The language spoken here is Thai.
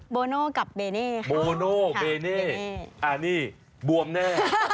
โบโน่กับเบเน่ค่ะโบโน่เบเน่อันนี้บวมแน่